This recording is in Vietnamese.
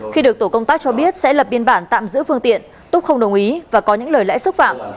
khi được tổ công tác cho biết sẽ lập biên bản tạm giữ phương tiện túc không đồng ý và có những lời lẽ xúc phạm